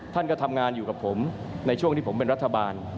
ท่านก็ทำงานอยู่กับผมในช่วงที่ผมเป็นรัฐบาล